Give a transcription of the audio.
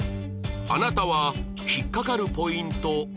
あなたは引っかかるポイントありましたか？